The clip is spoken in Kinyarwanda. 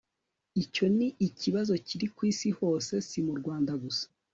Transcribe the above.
icyo ni ikibazo kiri ku isi hose si mu rwanda gusa